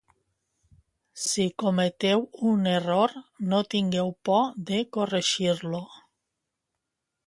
Si cometeu un error, no tingueu por de corregir-lo.